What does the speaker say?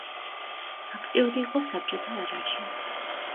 აქტიური იყო საბჭოთა ერაში.